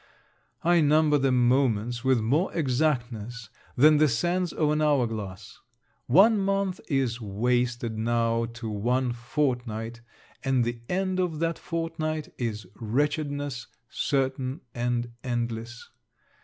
I number the moments with more exactness than the sands of an hour glass. One month is wasted now to one fortnight, and the end of that fortnight is wretchedness certain and endless.